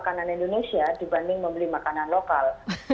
makanan indonesia dibanding membeli makanan lokal